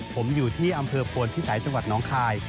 ผมอยู่ที่อำเภอโพนพิสัยจังหวัดน้องคาย